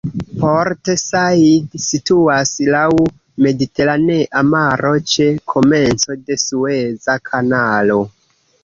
Port Said situas laŭ Mediteranea Maro ĉe komenco de Sueza Kanalo.